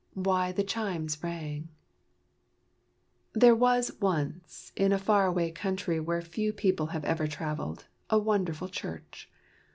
Why the Chimes Rang T HERE was once, in a far away country where few people have ever traveled, a wonderful church.